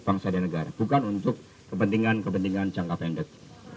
bangsa dan negara bukan untuk kepentingan kepentingan jangka pendek